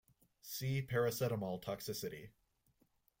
See Paracetamol toxicity.